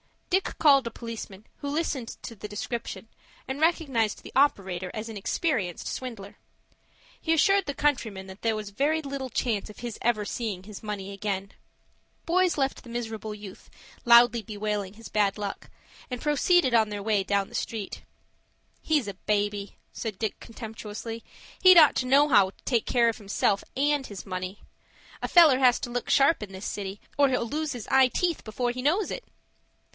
Dick called a policeman, who listened to the description, and recognized the operator as an experienced swindler. He assured the countryman that there was very little chance of his ever seeing his money again. The boys left the miserable youth loudly bewailing his bad luck, and proceeded on their way down the street. "He's a baby," said Dick, contemptuously. "He'd ought to know how to take care of himself and his money. A feller has to look sharp in this city, or he'll lose his eye teeth before he knows it."